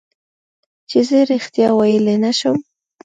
چې زه رښتیا ویلی نه شم.